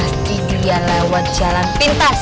soalnya kan kita udah putus